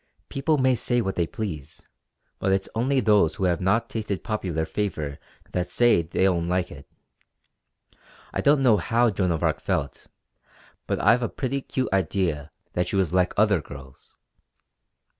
People may say what they please, but it's only those who have not tasted popular favour that say they don't like it. I don't know how Joan of Arc felt, but I've a pretty cute idea that she was like other girls.